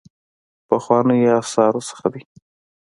پخوانیو آثارو څخه دی.